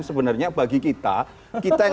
sebenarnya bagi kita kita yang